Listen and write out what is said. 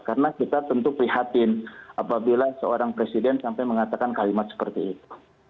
karena kita tentu prihatin apabila seorang presiden sampai mengatakan kalimat seperti itu